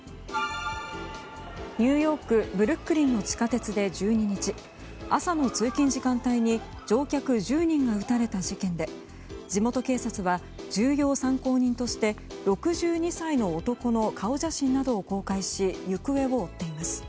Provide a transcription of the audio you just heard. ニューヨークブルックリンの地下鉄で１２日朝の通勤時間帯に乗客１０人が撃たれた事件で地元警察は重要参考人として６２歳の男の顔写真などを公開し行方を追っています。